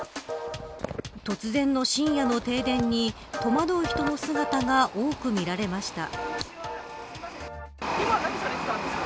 突然の深夜の停電に戸惑う人の姿が多く見られました。